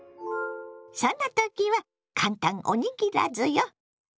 そんな時は簡単おにぎらずよ！